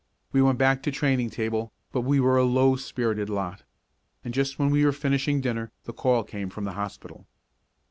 We went back to training table, but we were a low spirited lot. And just when we were finishing dinner the call came from the hospital.